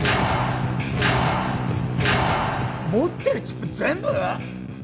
持ってるチップ全部！？